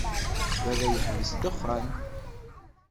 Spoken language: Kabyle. Baba yeḥbes ddexxan.